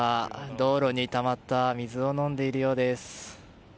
道路にたまった水を飲んでいるようです。